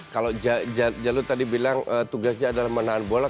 kalau jalo tadi bilang tugasnya adalah menahan bola